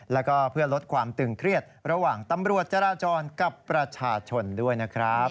แล้วก็เพื่อลดความตึงเครียดระหว่างตำรวจจราจรกับประชาชนด้วยนะครับ